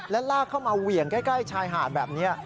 และลากเข้ามาเหวี่ยงใกล้ชายหาดแบบนี้